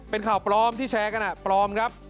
เป็นข่าวปลอมที่แชร์กันปลอมครับ